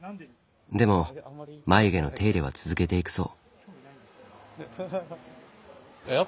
でも眉毛の手入れは続けていくそう。